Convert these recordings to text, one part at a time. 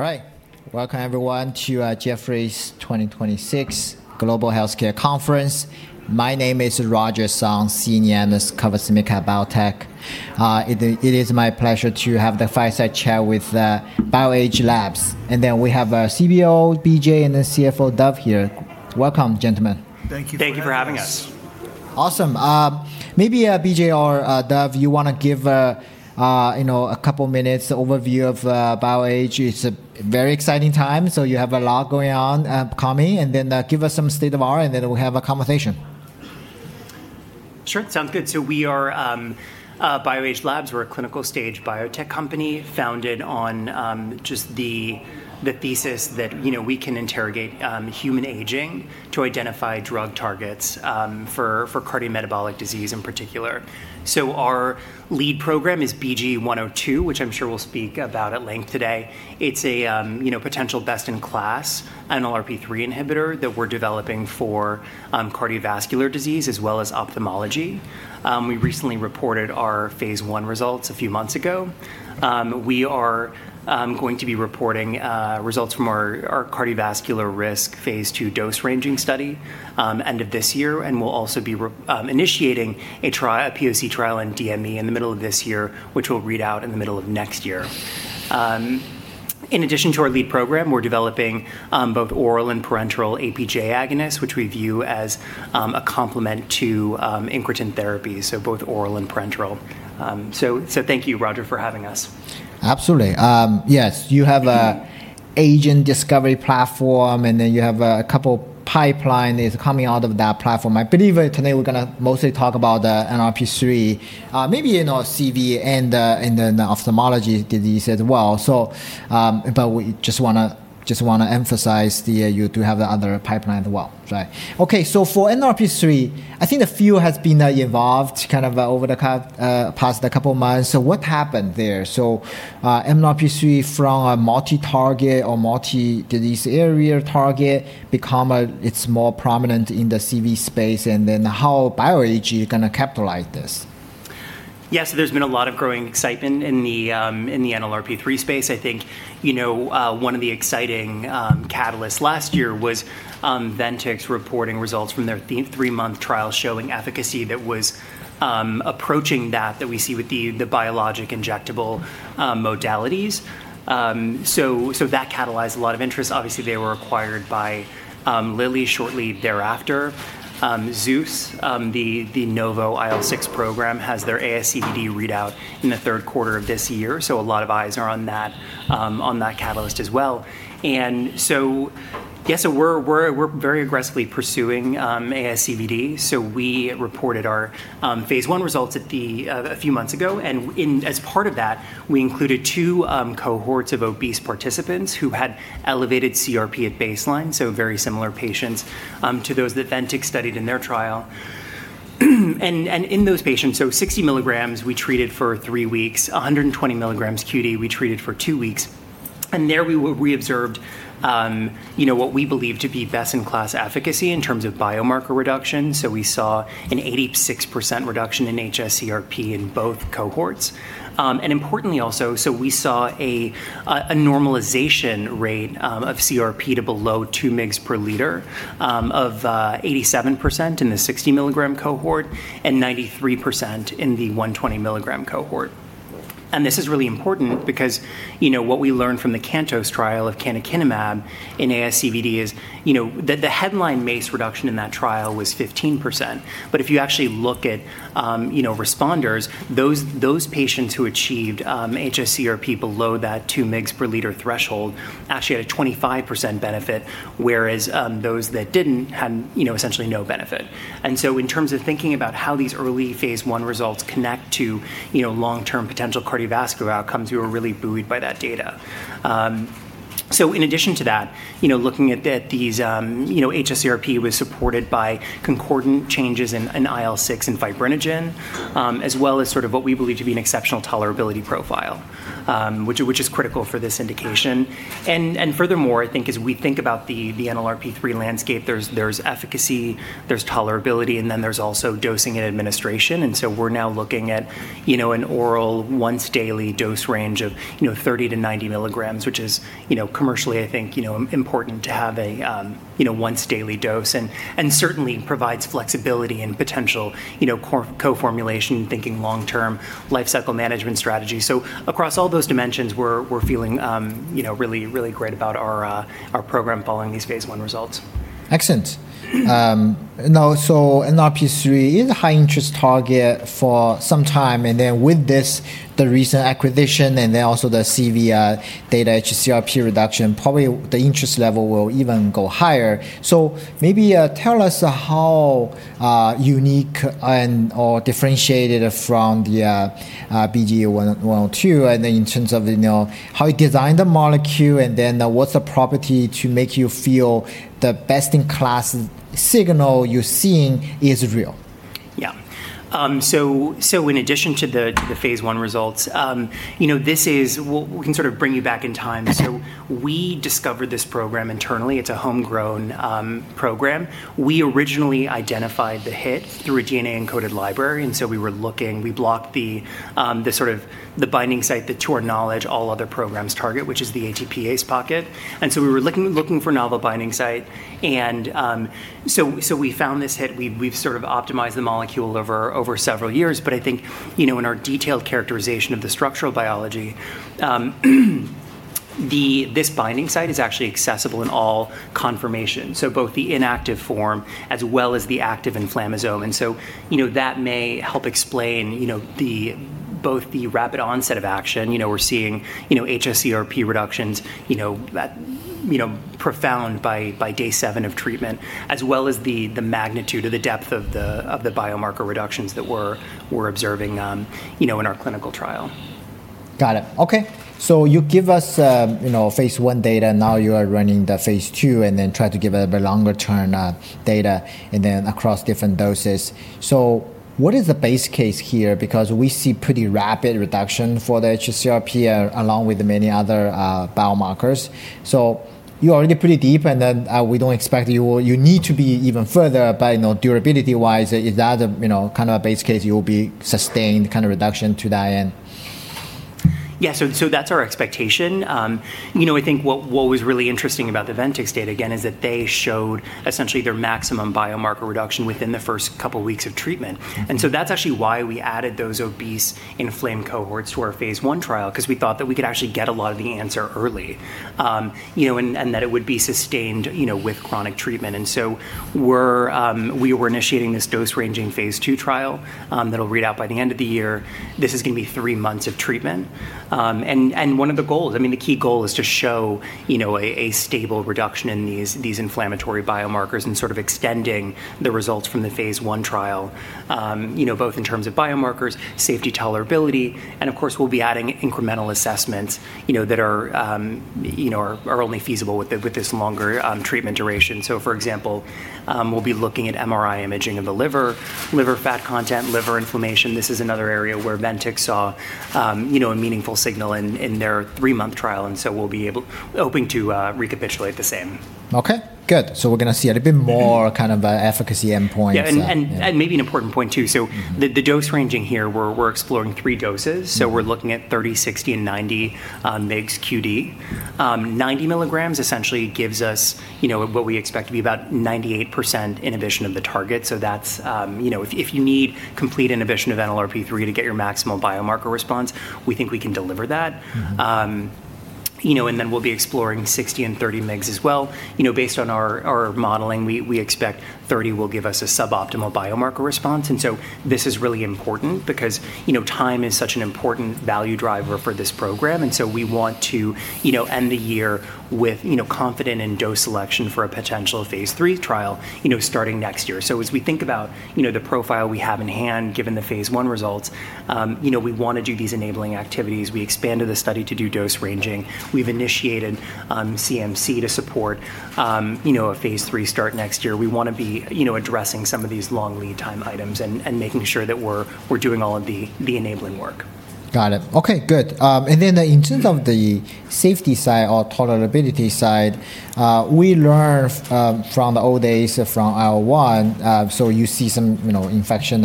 All right. Welcome, everyone, to Jefferies 2026 Global Healthcare Conference. My name is Roger Song, Senior Analyst covers SMID-Cap Biotech. It is my pleasure to have the fireside chat with BioAge Labs. We have CBO, BJ, and the CFO, Dov, here. Welcome, gentlemen. Thank you for having us. Thank you for having us. Awesome. Maybe BJ or Dov, you want to give a couple minutes overview of BioAge. It's a very exciting time, so you have a lot going on, coming, and then give us some state of affairs, and then we'll have a conversation. Sure. Sounds good. We are BioAge Labs. We're a clinical-stage biotech company founded on just the thesis that we can interrogate human aging to identify drug targets for cardiometabolic disease in particular. Our lead program is BGE-102, which I'm sure we'll speak about at length today. It's a potential best-in-class NLRP3 inhibitor that we're developing for cardiovascular disease as well as ophthalmology. We recently reported our phase I results a few months ago. We are going to be reporting results from our cardiovascular risk phase II dose-ranging study end of this year, and we'll also be initiating a POC trial in DME in the middle of this year, which we'll read out in the middle of next year. In addition to our lead program, we're developing both oral and parenteral APJ agonists, which we view as a complement to incretin therapy. Thank you, Roger, for having us. Absolutely. Yes. You have a aging discovery platform, and then you have a couple pipeline is coming out of that platform. I believe today we're going to mostly talk about the NLRP3. Maybe CV and the ophthalmology disease as well. We just want to emphasize that you do have the other pipeline as well. Right. Okay. For NLRP3, I think the field has been evolved over the past couple of months. What happened there? NLRP3 from a multi-target or multi-disease area target become it's more prominent in the CV space, and then how BioAge is going to capitalize this? Yes. There's been a lot of growing excitement in the NLRP3 space. I think one of the exciting catalysts last year was Ventyx reporting results from their three-month trial showing efficacy that was approaching that we see with the biologic injectable modalities. That catalyzed a lot of interest. Obviously, they were acquired by Lilly shortly thereafter. ZEUS, the Novo IL-6 program, has their ASCVD readout in the third quarter of this year. A lot of eyes are on that catalyst as well. We're very aggressively pursuing ASCVD. We reported our phase I results a few months ago, and as part of that, we included two cohorts of obese participants who had elevated CRP at baseline, so very similar patients to those that Ventyx studied in their trial. In those patients, 60 mg, we treated for three weeks, 120 mg QD we treated for two weeks. There we observed what we believe to be best-in-class efficacy in terms of biomarker reduction. We saw an 86% reduction in hsCRP in both cohorts. Importantly, also, we saw a normalization rate of CRP to below two mgs per liter of 87% in the 60 mg cohort and 93% in the 120 mg cohort. This is really important because what we learned from the CANTOS trial of canakinumab in ASCVD is the headline MACE reduction in that trial was 15%. If you actually look at responders, those patients who achieved hsCRP below that two mgs per liter threshold actually had a 25% benefit, whereas those that didn't had essentially no benefit. In terms of thinking about how these early phase I results connect to long-term potential cardiovascular outcomes, we were really buoyed by that data. In addition to that, looking at these, hsCRP was supported by concordant changes in IL-6 and fibrinogen, as well as sort of what we believe to be an exceptional tolerability profile, which is critical for this indication. Furthermore, I think as we think about the NLRP3 landscape, there's efficacy, there's tolerability, and then there's also dosing and administration. We're now looking at an oral once-daily dose range of 30 mg to 90 mg, which is commercially important to have a once-daily dose, and certainly provides flexibility and potential co-formulation, thinking long-term lifecycle management strategy. Across all those dimensions, we're feeling really great about our program following these phase I results. Excellent. NLRP3 is high interest target for some time, and then with this, the recent acquisition and then also the CV data hs-CRP reduction, probably the interest level will even go higher. Maybe tell us how unique and/or differentiated from BGE-102, and in terms of how you designed the molecule, and then what's the property to make you feel the best-in-class signal you're seeing is real? Yeah. In addition to the phase I results, we can sort of bring you back in time. We discovered this program internally. It's a homegrown program. We originally identified the hit through a DNA-encoded library, and so we were looking. We blocked the binding site that to our knowledge, all other programs target, which is the ATPase pocket. We were looking for novel binding site, and so we found this hit. We've sort of optimized the molecule over several years. I think, in our detailed characterization of the structural biology, this binding site is actually accessible in all conformations, so both the inactive form as well as the active inflammasome. That may help explain both the rapid onset of action. We're seeing hs-CRP reductions profound by day seven of treatment, as well as the magnitude or the depth of the biomarker reductions that we're observing in our clinical trial. Got it. Okay. You give us phase I data. Now you are running the phase II and try to give a bit longer-term data and across different doses. What is the base case here? We see pretty rapid reduction for the hsCRP along with many other biomarkers. You are already pretty deep, and we don't expect you need to be even further. Durability wise, is that a kind of base case you'll be sustained kind of reduction to that end? Yeah. That's our expectation. I think what was really interesting about the Ventyx data, again, is that they showed essentially their maximum biomarker reduction within the first couple of weeks of treatment. That's actually why we added those obese, inflamed cohorts to our phase I trial because we thought that we could actually get a lot of the answer early, and that it would be sustained with chronic treatment. We were initiating this dose-ranging phase II trial that'll read out by the end of the year. This is going to be three months of treatment. One of the goals, the key goal is to show a stable reduction in these inflammatory biomarkers and sort of extending the results from the phase I trial both in terms of biomarkers, safety tolerability, and of course, we'll be adding incremental assessments that are only feasible with this longer treatment duration. For example, we'll be looking at MRI imaging of the liver fat content, liver inflammation. This is another area where Ventyx saw a meaningful signal in their three-month trial, and so we'll be hoping to recapitulate the same. Okay, good. We're going to see a bit more kind of efficacy endpoints. Yeah. Maybe an important point, too. The dose ranging here, we're exploring three doses. We're looking at 30 mg, 60 mg, and 90 mgs QD. 90 mg essentially gives us what we expect to be about 98% inhibition of the target. If you need complete inhibition of NLRP3 to get your maximal biomarker response, we think we can deliver that. We'll be exploring 60 mg and 30 mgs as well. Based on our modeling, we expect 30 mg will give us a suboptimal biomarker response. This is really important because time is such an important value driver for this program, so we want to end the year with confident in dose selection for a potential phase III trial starting next year. As we think about the profile we have in hand, given the phase I results, we want to do these enabling activities. We expanded the study to do dose ranging. We've initiated CMC to support a phase III start next year. We want to be addressing some of these long lead time items and making sure that we're doing all of the enabling work. Got it. Okay, good. In terms of the safety side or tolerability side, we learn from the old days from IL-1, so you see some infection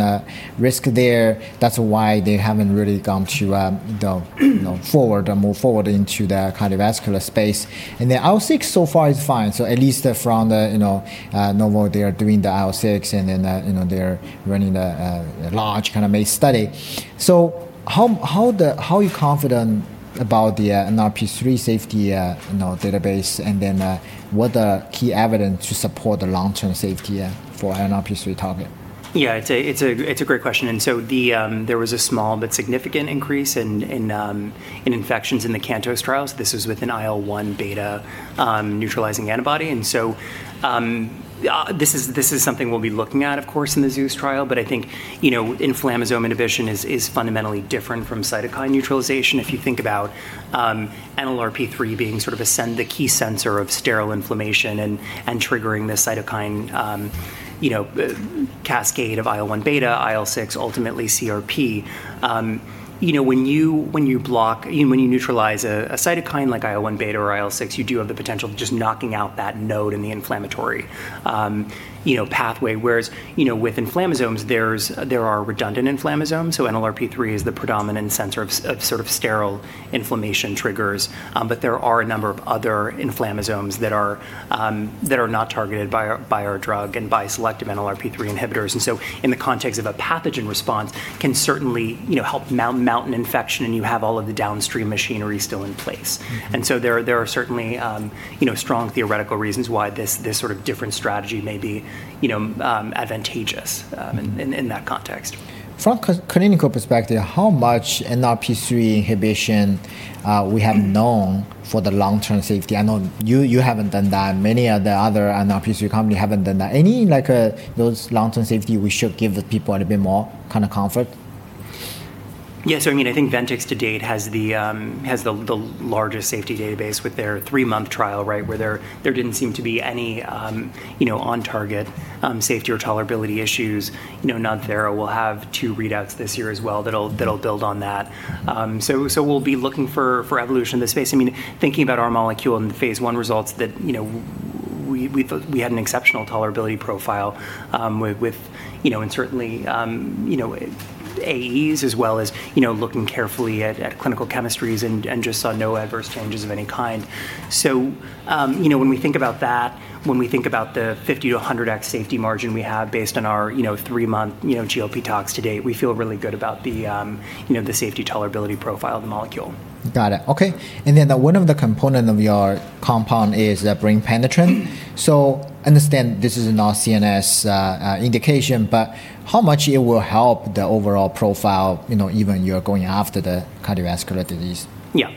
risk there. That's why they haven't really gone to the forward or move forward into the cardiovascular space. The IL-6 so far is fine. At least from the Novo, they are doing the IL-6, and then they're running a large kind of main study. How are you confident about the NLRP3 safety database, and then what are key evidence to support the long-term safety for NLRP3 target? Yeah. It's a great question. There was a small but significant increase in infections in the CANTOS trials. This was with an IL-1β neutralizing antibody. This is something we'll be looking at, of course, in the ZEUS trial. I think inflammasome inhibition is fundamentally different from cytokine neutralization. If you think about NLRP3 being sort of the key sensor of sterile inflammation and triggering this cytokine cascade of IL-1β, IL-6, ultimately CRP. When you neutralize a cytokine like IL-1β or IL-6, you do have the potential of just knocking out that node in the inflammatory pathway. Whereas, with inflammasomes, there are redundant inflammasomes. NLRP3 is the predominant sensor of sort of sterile inflammation triggers. There are a number of other inflammasomes that are not targeted by our drug and by selective NLRP3 inhibitors. In the context of a pathogen response can certainly help mount an infection, and you have all of the downstream machinery still in place. There are certainly strong theoretical reasons why this sort of different strategy may be advantageous in that context. From clinical perspective, how much NLRP3 inhibition we have known for the long-term safety? I know you haven't done that. Many of the other NLRP3 company haven't done that. Any like those long-term safety we should give the people a little bit more kind of comfort? Yes. I think Ventyx to date has the largest safety database with their three-month trial, where there didn't seem to be any on-target safety or tolerability issues. NodThera will have two readouts this year as well that'll build on that. We'll be looking for evolution in this space. Thinking about our molecule in the phase I results that we had an exceptional tolerability profile, and certainly AEs as well as looking carefully at clinical chemistries and just saw no adverse changes of any kind. When we think about that, when we think about the 50x-100x safety margin we have based on our three-month GLP tox to date, we feel really good about the safety tolerability profile of the molecule. Got it. Okay. One of the component of your compound is brain-penetrant. Understand this is not CNS indication, but how much it will help the overall profile, even you're going after the cardiovascular disease? Yeah.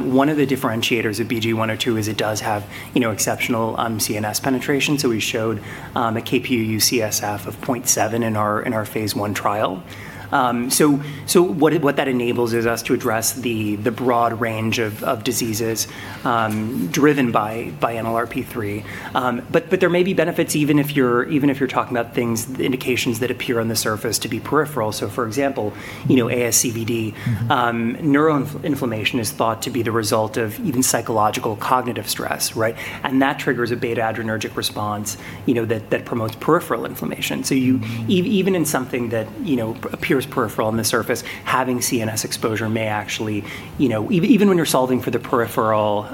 One of the differentiators of BGE-102 is it does have exceptional CNS penetration. We showed a Kp,uu, CSF of 0.7 in our phase I trial. What that enables is us to address the broad range of diseases driven by NLRP3. There may be benefits even if you're talking about things, the indications that appear on the surface to be peripheral. For example, ASCVD. Neuroinflammation is thought to be the result of even psychological cognitive stress, right? That triggers a beta-adrenergic response that promotes peripheral inflammation. Even in something that appears peripheral on the surface, having CNS exposure may actually, even when you're solving for the peripheral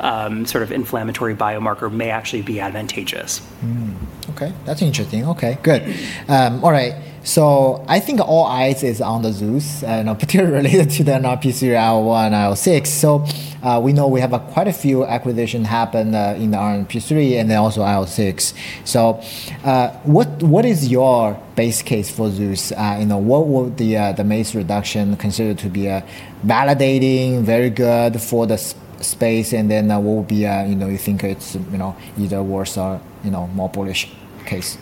sort of inflammatory biomarker, may actually be advantageous. Okay. That's interesting. Okay, good. All right. I think all eyes is on the ZEUS, and particularly related to the NLRP3 IL-1, IL-6. We know we have quite a few acquisition happen, in the NLRP3 and then also IL-6. What is your base case for ZEUS? What would the MACE reduction considered to be validating, very good for the space, and then what would be, you think it's either worse or more bullish case?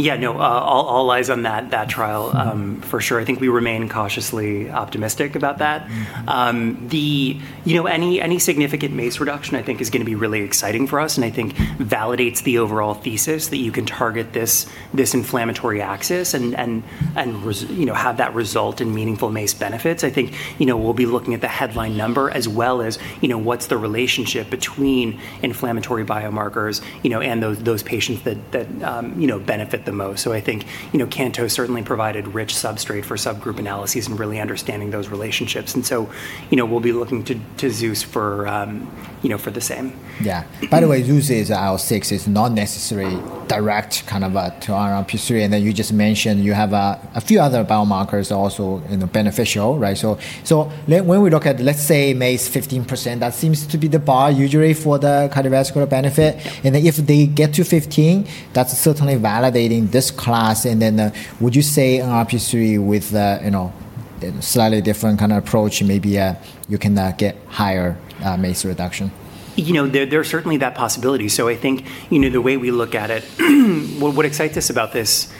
Yeah, no, all eyes on that trial, for sure. I think we remain cautiously optimistic about that. Any significant MACE reduction, I think, is going to be really exciting for us, and I think validates the overall thesis that you can target this inflammatory axis and have that result in meaningful MACE benefits. I think we'll be looking at the headline number as well as what's the relationship between inflammatory biomarkers and those patients that benefit the most. I think CANTOS certainly provided rich substrate for subgroup analyses and really understanding those relationships. We'll be looking to ZEUS for the same. Yeah. By the way, ZEUS is IL-6. It's not necessarily direct to NLRP3. You just mentioned you have a few other biomarkers also beneficial, right? When we look at, let's say MACE 15%, that seems to be the bar usually for the cardiovascular benefit. If they get to 15, that's certainly validating this class. Would you say NLRP3 with a slightly different kind of approach, maybe you can get higher MACE reduction? There's certainly that possibility. I think the way we look at it, what excites us about this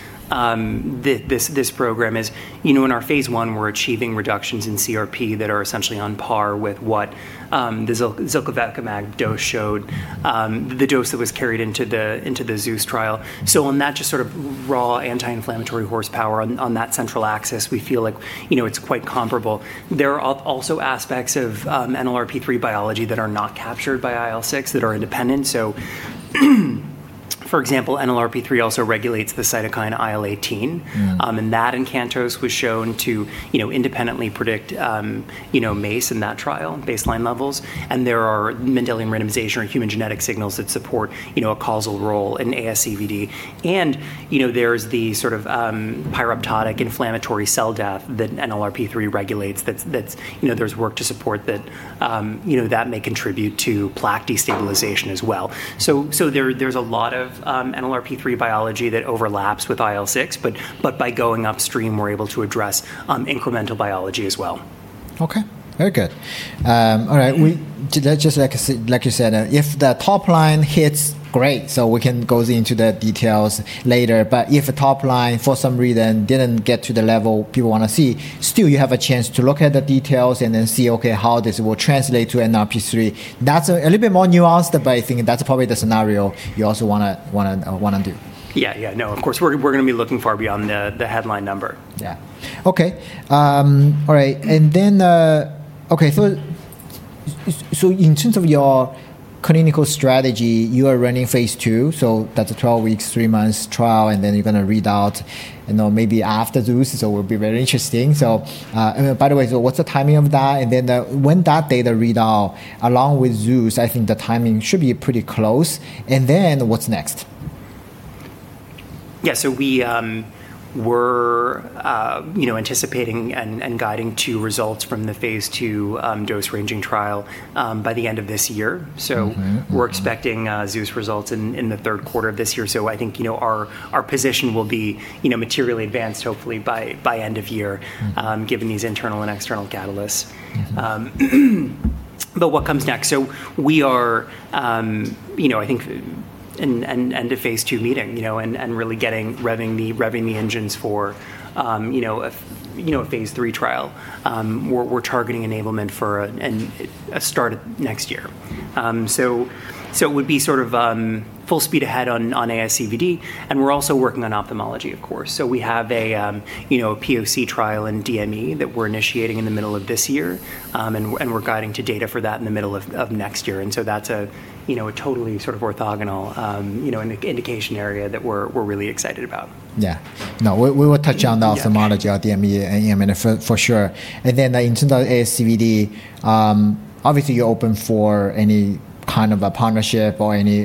program is in our phase I, we're achieving reductions in CRP that are essentially on par with what the ziltivekimab dose showed, the dose that was carried into the ZEUS trial. On that just sort of raw anti-inflammatory horsepower on that central axis, we feel like it's quite comparable. There are also aspects of NLRP3 biology that are not captured by IL-6 that are independent. For example, NLRP3 also regulates the cytokine IL-18. That in CANTOS was shown to independently predict MACE in that trial, baseline levels. There are Mendelian randomization or human genetic signals that support a causal role in ASCVD. There's the sort of pyroptotic inflammatory cell death that NLRP3 regulates that there's work to support that may contribute to plaque destabilization as well. There's a lot of NLRP3 biology that overlaps with IL-6, but by going upstream, we're able to address incremental biology as well. Okay. Very good. All right. Just like you said, if the top line hits, great. We can go into the details later. If a top line, for some reason, didn't get to the level people want to see, still you have a chance to look at the details and then see, okay, how this will translate to NLRP3. That's a little bit more nuanced, but I think that's probably the scenario you also want to do. Yeah. No, of course, we're going to be looking far beyond the headline number. Yeah. Okay. All right. In terms of your clinical strategy, you are running phase II, that's a 12 weeks, three months trial, you're going to read out maybe after ZEUS. It will be very interesting. By the way, what's the timing of that? When that data read out, along with ZEUS, I think the timing should be pretty close. What's next? Yeah, we were anticipating and guiding two results from the phase II dose-ranging trial by the end of this year. We're expecting ZEUS results in the third quarter of this year. I think our position will be materially advanced, hopefully, by end of year given these internal and external catalysts. What comes next? We are, I think, at end of phase II meeting, and really revving the engines for a phase III trial. We're targeting enablement for a start next year. It would be full speed ahead on ASCVD, and we're also working on ophthalmology, of course. We have a POC trial in DME that we're initiating in the middle of this year, and we're guiding to data for that in the middle of next year. That's a totally orthogonal indication area that we're really excited about. Yeah. No, we will touch on the ophthalmology, DME, for sure. In terms of ASCVD, obviously you're open for any kind of a partnership or any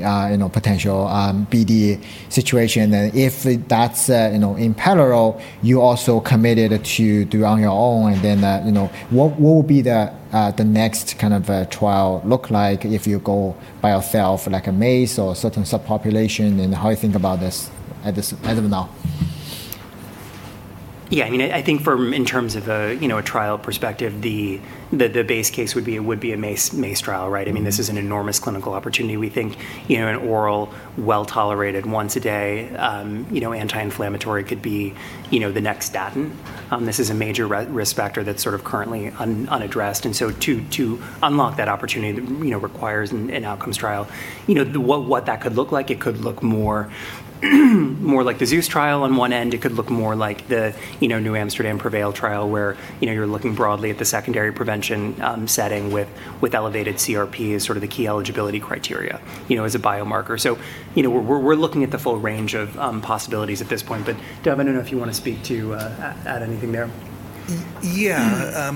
potential BD situation. If that's in parallel, you also committed to do on your own, then what will be the next kind of trial look like if you go by yourself, like a MACE or a certain subpopulation, and how you think about this as of now? Yeah. I think in terms of a trial perspective, the base case would be a MACE trial, right? This is an enormous clinical opportunity. We think an oral, well-tolerated, once a day anti-inflammatory could be the next statin. This is a major risk factor that's currently unaddressed. To unlock that opportunity requires an outcomes trial. What that could look like? It could look more like the ZEUS trial on one end. It could look more like the NewAmsterdam Pharma PREVAIL trial, where you're looking broadly at the secondary prevention setting with elevated CRP as sort of the key eligibility criteria as a biomarker. We're looking at the full range of possibilities at this point. Dov, I don't know if you want to speak to add anything there. Yeah.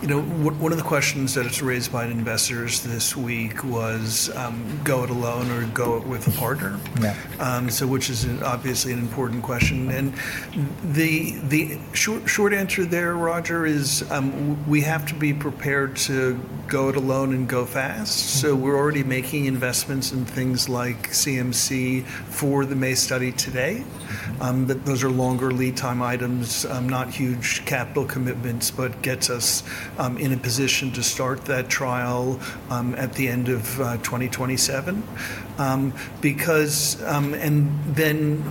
One of the questions that was raised by investors this week was, go it alone or go it with a partner? Yeah. Which is obviously an important question, and the short answer there, Roger, is we have to be prepared to go it alone and go fast. We're already making investments in things like CMC for the MACE study today. Those are longer lead time items, not huge capital commitments, but gets us in a position to start that trial at the end of 2027. Then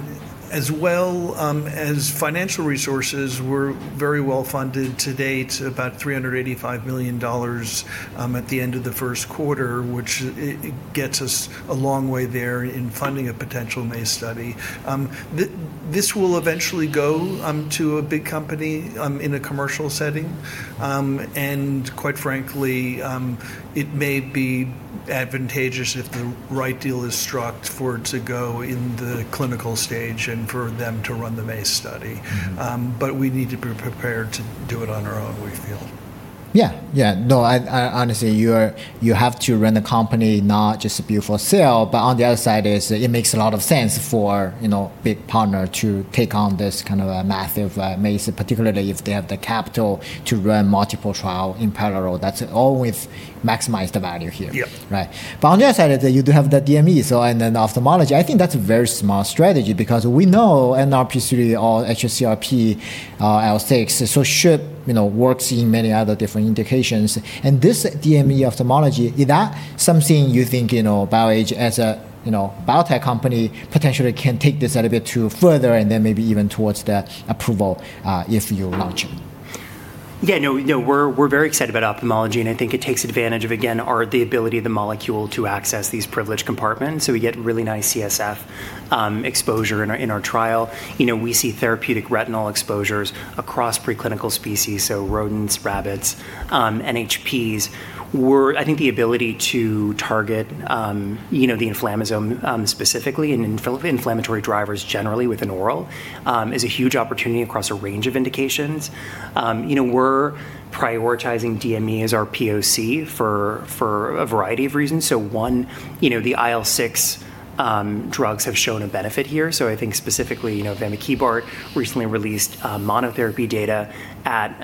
as well as financial resources, we're very well-funded to date, about $385 million at the end of the first quarter, which gets us a long way there in funding a potential MACE study. This will eventually go to a big company in a commercial setting. Quite frankly, it may be advantageous if the right deal is struck for it to go in the clinical stage and for them to run the MACE study. We need to be prepared to do it on our own, we feel. Yeah. No, honestly, you have to run the company not just a beautiful sale, but on the other side is it makes a lot of sense for big partner to take on this kind of a massive MACE, particularly if they have the capital to run multiple trial in parallel. That's always maximize the value here. Yeah. On the other side, you do have the DME and then ophthalmology. I think that's a very smart strategy because we know NLRP3 or hsCRP, IL-6, SHP works in many other different indications. This DME ophthalmology, is that something you think BioAge as a biotech company potentially can take this a little bit further and then maybe even towards the approval, if you launch it? We're very excited about ophthalmology. I think it takes advantage of, again, the ability of the molecule to access these privileged compartments. We get really nice CSF exposure in our trial. We see therapeutic retinal exposures across preclinical species, so rodents, rabbits, NHPs. I think the ability to target the inflammasome specifically and inflammatory drivers generally with an oral is a huge opportunity across a range of indications. We're prioritizing DME as our POC for a variety of reasons. One, the IL-6 drugs have shown a benefit here. I think specifically vamikibart recently released monotherapy data at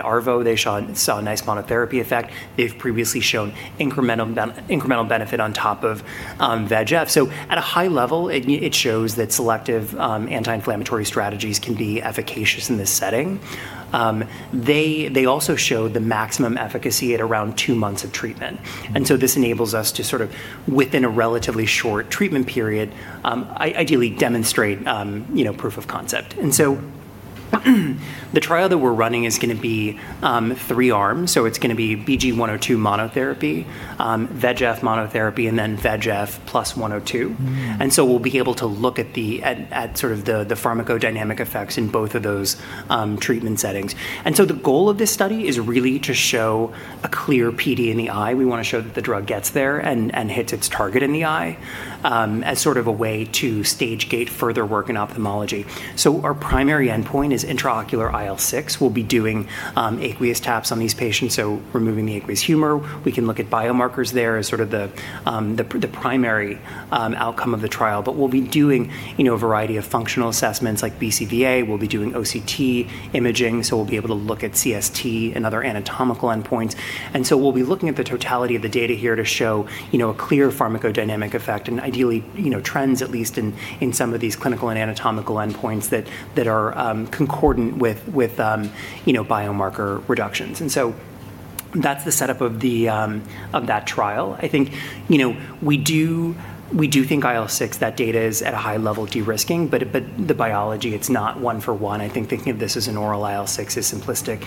ARVO. They saw a nice monotherapy effect. They've previously shown incremental benefit on top of VEGF. At a high-level, it shows that selective anti-inflammatory strategies can be efficacious in this setting. They also showed the maximum efficacy at around two months of treatment. This enables us to, sort of within a relatively short treatment period, ideally demonstrate proof of concept. The trial that we're running is going to be three arms. It's going to be BGE-102 monotherapy, VEGF monotherapy, and then VEGF plus 102. We'll be able to look at the pharmacodynamic effects in both of those treatment settings. The goal of this study is really to show a clear PD in the eye. We want to show that the drug gets there and hits its target in the eye as sort of a way to stage gate further work in ophthalmology. Our primary endpoint is intraocular IL-6. We'll be doing aqueous taps on these patients, so removing the aqueous humor. We can look at biomarkers there as sort of the primary outcome of the trial. We'll be doing a variety of functional assessments like BCVA. We'll be doing OCT imaging, so we'll be able to look at CST and other anatomical endpoints. We'll be looking at the totality of the data here to show a clear pharmacodynamic effect and ideally trends, at least in some of these clinical and anatomical endpoints that are concordant with biomarker reductions. That's the setup of that trial. I think we do think IL-6, that data is at a high-level of de-risking, but the biology, it's not one for one. I think thinking of this as an oral IL-6 is simplistic.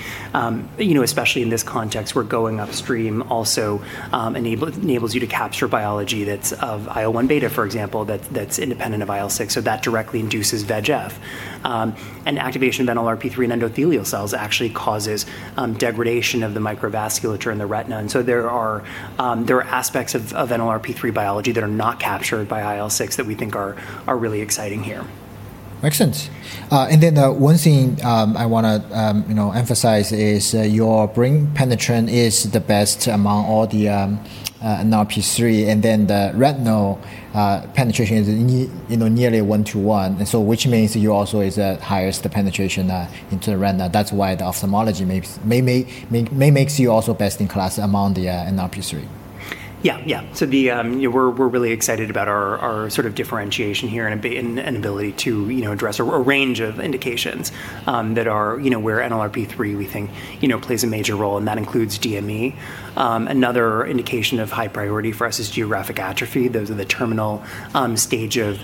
Especially in this context, we're going upstream also enables you to capture biology that's of IL-1β, for example, that's independent of IL-6, so that directly induces VEGF. Activation of NLRP3 in endothelial cells actually causes degradation of the microvasculature in the retina, and so there are aspects of NLRP3 biology that are not captured by IL-6 that we think are really exciting here. Makes sense. The one thing I want to emphasize is your brain penetrant is the best among all the NLRP3, the retinal penetration is nearly one-to-one, which means you also is highest penetration into the retina. The ophthalmology may makes you also best-in-class among the NLRP3. Yeah. We're really excited about our differentiation here and ability to address a range of indications where NLRP3, we think, plays a major role, and that includes DME. Another indication of high priority for us is geographic atrophy. Those are the terminal stage of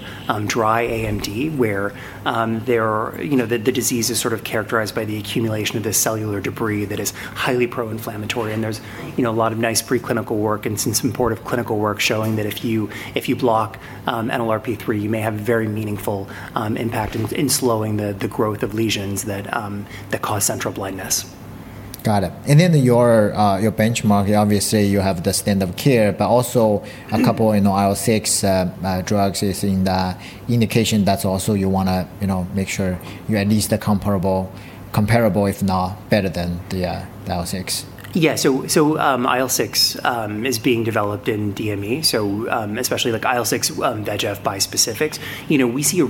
dry AMD, where the disease is characterized by the accumulation of this cellular debris that is highly pro-inflammatory, and there's a lot of nice preclinical work and some important clinical work showing that if you block NLRP3, you may have a very meaningful impact in slowing the growth of lesions that cause central blindness. Got it. Your benchmark, obviously, you have the standard of care, but also a couple IL-6 drugs is in the indication. That's also you want to make sure you're at least comparable, if not better than the IL-6. Yeah. IL-6 is being developed in DME, especially IL-6 VEGF bispecifics. We see a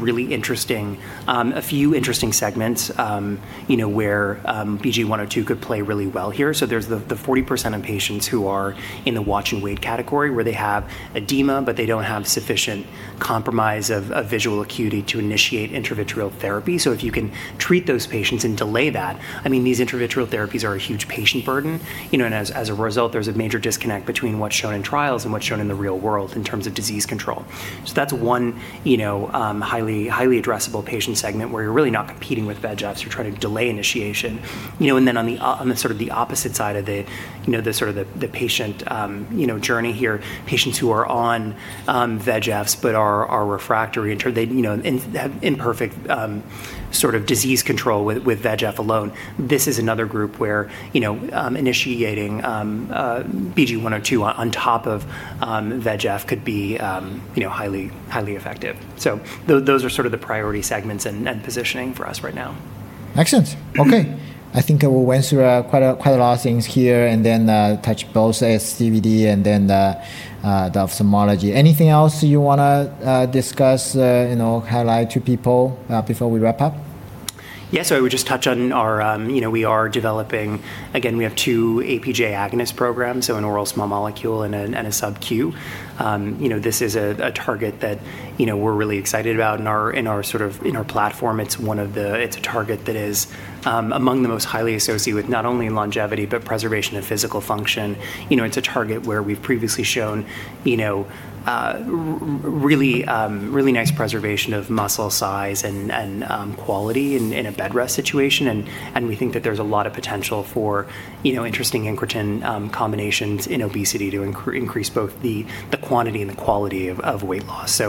few interesting segments where BGE-102 could play really well here. There's the 40% of patients who are in the watch and wait category, where they have edema, but they don't have sufficient compromise of visual acuity to initiate intravitreal therapy. If you can treat those patients and delay that, these intravitreal therapies are a huge patient burden, and as a result, there's a major disconnect between what's shown in trials and what's shown in the real world in terms of disease control. That's one highly addressable patient segment where you're really not competing with VEGFs. You're trying to delay initiation. On the opposite side of the patient journey here, patients who are on VEGFs but are refractory and have imperfect disease control with VEGF alone. This is another group where initiating BGE-102 on top of VEGF could be highly effective. Those are the priority segments and positioning for us right now. Makes sense. Okay. I think I went through quite a lot of things here and then touched both CVD and then the ophthalmology. Anything else you want to discuss, highlight to people before we wrap up? Yeah. I would just touch on we are developing, again, we have two APJ agonist programs, an oral small molecule and a sub-Q. This is a target that we're really excited about in our platform. It's a target that is among the most highly associated with not only longevity, but preservation of physical function. It's a target where we've previously shown really nice preservation of muscle size and quality in a bed rest situation, and we think that there's a lot of potential for interesting incretin combinations in obesity to increase both the quantity and the quality of weight loss.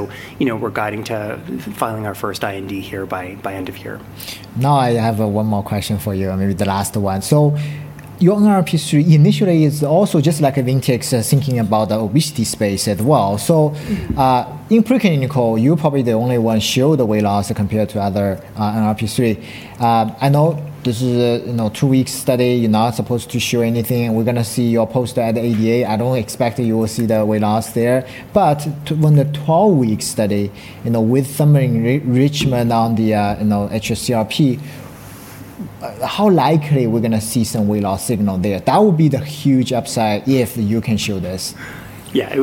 We're guiding to filing our first IND here by end of year. I have one more question for you, and maybe the last one. Your NLRP3 initially is also just like a Ventyx, thinking about the obesity space as well. In preclinical, you're probably the only one show the weight loss compared to other NLRP3. I know this is a two-week study. You're not supposed to show anything, and we're going to see your poster at the ADA. I don't expect you will see the weight loss there. When the 12-week study with Thumberin Richmond on the hsCRP, how likely we're going to see some weight loss signal there? That would be the huge upside if you can show this. Yeah. It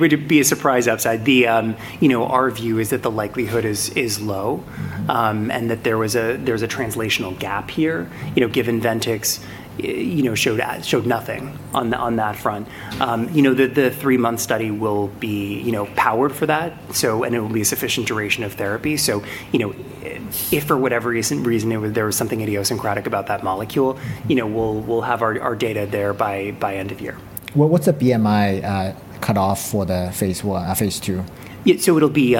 would be a surprise upside. Our view is that the likelihood is low, and that there's a translational gap here, given Ventyx showed nothing on that front. The three-month study will be powered for that, and it will be sufficient duration of therapy. If for whatever reason there was something idiosyncratic about that molecule, we'll have ou data there by end of year. What's the BMI cutoff for the phase I, phase II? It'll be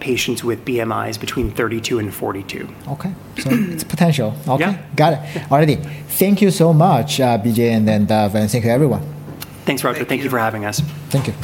patients with BMIs between 32 and 42. Okay. It's potential. Okay. Got it. All righty. Thank you so much, BJ, and then thank you, everyone. Thanks, Roger. Thank you for having us. Thank you.